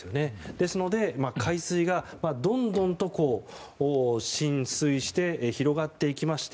ですので、海水がどんどんと浸水して広がっていきまして